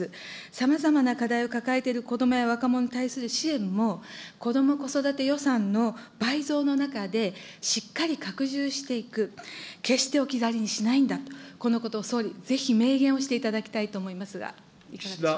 さまざまな課題を抱えているこどもや若者に対する支援も、こども・子育て予算の倍増の中で、しっかり拡充していく、決して置き去りにしないんだと、このことを総理、ぜひ明言をしていただきたいと思いますが、いかがでしょうか。